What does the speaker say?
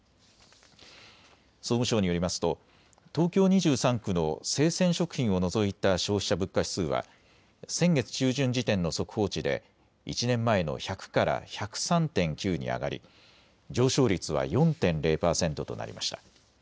総務省によりますと東京２３区の生鮮食品を除いた消費者物価指数は先月中旬時点の速報値で１年前の１００から１０３．９に上がり上昇率は４．０％となりました。